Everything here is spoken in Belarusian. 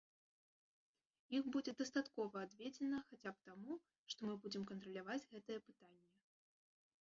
Іх будзе дастаткова адведзена хаця б таму, што мы будзем кантраляваць гэтае пытанне.